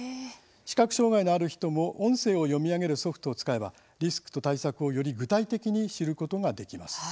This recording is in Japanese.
視覚障害のある人も音声を読み上げるソフトを使えばリスクと対策をより具体的に知るができます。